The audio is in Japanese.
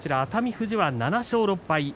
富士は７勝６敗